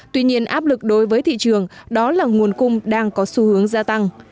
tuy nhiên áp lực đối với thị trường đó là nguồn cung đang có xu hướng gia tăng